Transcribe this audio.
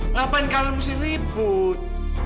ngapain kalian mesti ribut